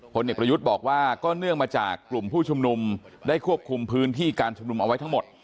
เด็กประยุทธ์บอกว่าก็เนื่องมาจากกลุ่มผู้ชุมนุมได้ควบคุมพื้นที่การชุมนุมเอาไว้ทั้งหมด